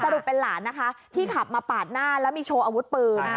เป็นหลานนะคะที่ขับมาปาดหน้าแล้วมีโชว์อาวุธปืน